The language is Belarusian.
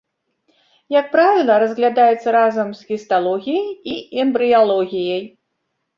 Як правіла, разглядаецца разам з гісталогіяй і эмбрыялогіяй.